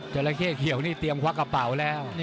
ราเข้เขียวนี่เตรียมควักกระเป๋าแล้ว